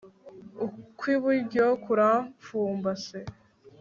ukw'iburyo kurampfumbase